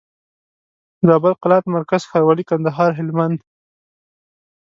زابل قلات مرکز ښاروالي کندهار هلمند